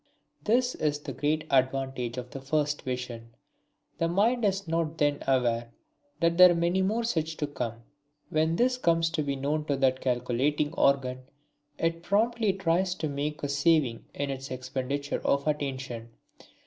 This is the great advantage of the first vision: the mind is not then aware that there are many more such to come. When this comes to be known to that calculating organ it promptly tries to make a saving in its expenditure of attention.